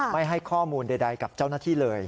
ไม่ให้ข้อมูลใดกับเจ้าหน้าที่เลย